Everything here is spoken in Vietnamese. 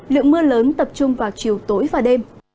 lượng mưa lớn tập trung vào chiều tối và đêm